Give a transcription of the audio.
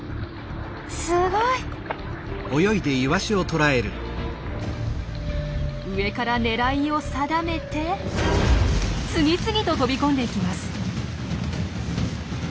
すごい！上から狙いを定めて次々と飛び込んでいきます。